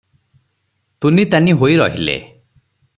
ତୁନି ତାନି ହୋଇ ରହିଲେ ।